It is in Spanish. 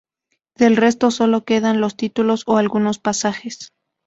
Del resto solo quedan los títulos o algunos pasajes.